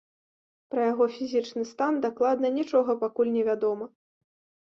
Пра яго фізічны стан дакладна нічога пакуль невядома.